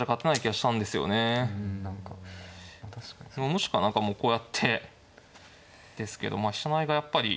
もしくは何かもうこうやってですけど飛車成りがやっぱり。